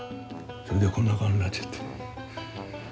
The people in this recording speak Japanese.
でこんな顔になっちゃって。